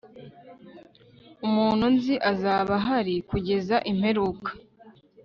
umuntu nzi azaba ahari kugeza imperuka